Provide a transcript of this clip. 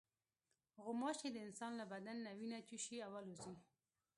غوماشې د انسان له بدن نه وینه چوشي او الوزي.